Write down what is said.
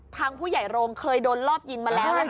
ทางผู้ใหญ่โรงเคยโดนรอบยิงมาแล้ว